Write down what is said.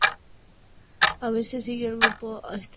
A veces alguien del grupo está ahí, a veces no.